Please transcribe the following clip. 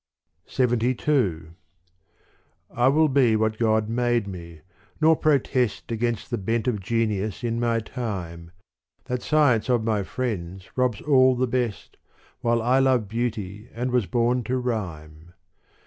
LXXII I WILL be what God made me, nor protest Against the bent of genius in my time : That science of my friends robs all the best, While I love beauty and was born to rhyme.